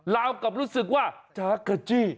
ล้ามกับรู้สึกว่าจ๊ะกะจี้